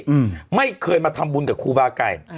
อืมไม่เคยมาทำบุญกับครูบาไก่อ่า